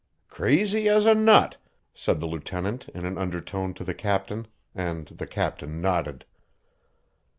"Crazy as a nut," said the lieutenant in an undertone to the captain, and the captain nodded.